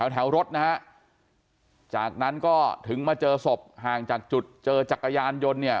แถวรถนะฮะจากนั้นก็ถึงมาเจอศพห่างจากจุดเจอจักรยานยนต์เนี่ย